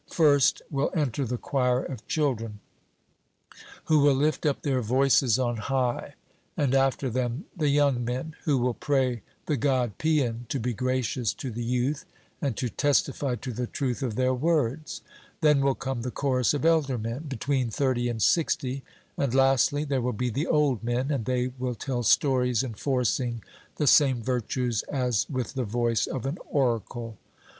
First will enter the choir of children, who will lift up their voices on high; and after them the young men, who will pray the God Paean to be gracious to the youth, and to testify to the truth of their words; then will come the chorus of elder men, between thirty and sixty; and, lastly, there will be the old men, and they will tell stories enforcing the same virtues, as with the voice of an oracle.